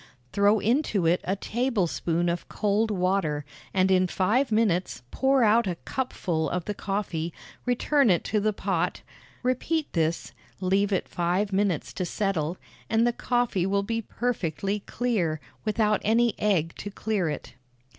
Throw into it a tablespoonful of cold water, and in five minutes pour out a cupful of the coffee, return it to the pot, repeat this, leave it five minutes to settle, and the coffee will be perfectly clear, without any egg to clear it.